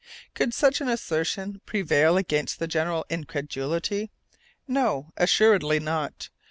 Could such an assertion prevail against the general incredulity? No, assuredly not!